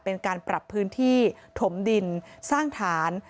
เป็นการปรับพื้นที่ถมดินสร้างฐาน